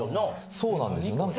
そうなんですよなんか。